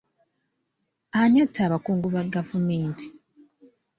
Ani atta abakungu ba gavumenti?